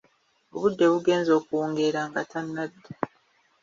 Obudde bugenze okuwungeera nga tannadda.